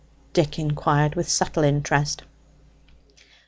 Dick inquired, with subtle interest.